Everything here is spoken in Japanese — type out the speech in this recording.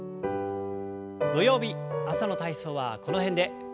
土曜日朝の体操はこの辺で。